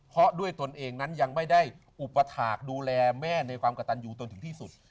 เพราะด้วยตนเองนั้นยังไม่ได้อุปถาคดูแลแม่ในความกระตันยูตนถึงที่สุด